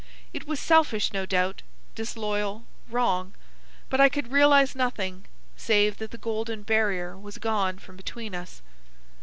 It was selfish, no doubt, disloyal, wrong, but I could realise nothing save that the golden barrier was gone from between us.